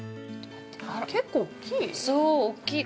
◆結構、大きい？